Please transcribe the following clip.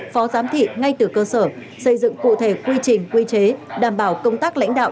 phó giám thị ngay từ cơ sở xây dựng cụ thể quy trình quy chế đảm bảo công tác lãnh đạo